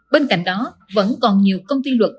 bên cạnh đó vẫn còn nhiều công ty luật